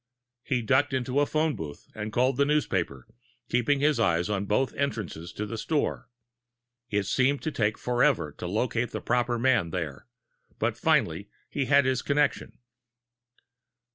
He ducked into a phone booth and called the newspaper, keeping his eye on both entrances to the store. It seemed to take forever to locate the proper man there, but finally he had his connection.